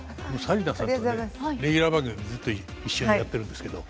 紗理奈さんとねレギュラー番組ずっと一緒にやってるんですけど。